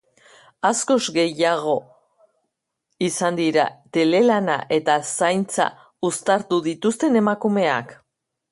Askoz gehiago izan dira telelana eta zaintza uztartu dituzten emakumeak.